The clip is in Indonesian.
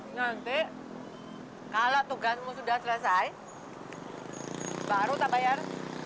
nanti kalau tugasmu sudah selesai baru tak bayar